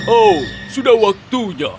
oh sudah waktunya